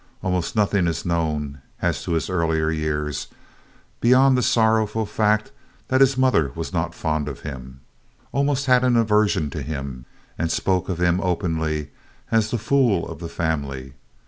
Almost nothing is known as to his earliest years, beyond the sorrowful fact that his mother was not fond of him almost had an aversion to him and spoke of him openly as "the fool of the family."